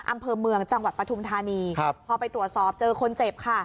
อำเภอเมืองจังหวัดปฐุมธานีครับพอไปตรวจสอบเจอคนเจ็บค่ะ